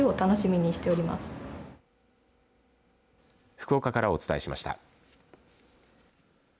福岡からお伝えしました。